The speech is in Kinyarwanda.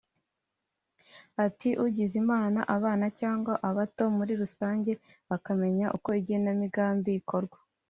Ati “Ugize Imana abana cyangwa abato muri rusange bakamenya uko igenamigambi rikorwa